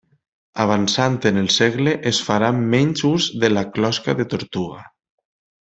Avançant en el segle es farà menys ús de la closca de tortuga.